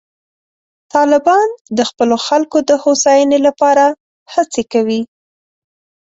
طالبان د خپلو خلکو د هوساینې لپاره هڅې کوي.